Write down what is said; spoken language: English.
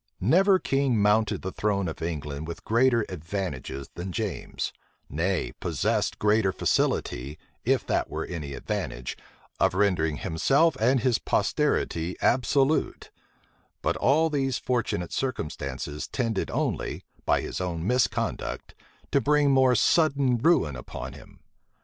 Never king mounted the throne of England with greater advantages than James; nay, possessed greater facility, if that were any advantage, of rendering himself and his posterity absolute: but all these fortunate circumstances tended only, by his own misconduct, to bring more sudden ruin upon him.